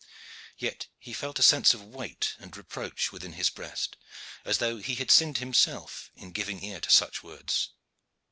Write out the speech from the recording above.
Yet he felt a sense of weight and reproach within his breast, as though he had sinned himself in giving ear to such words.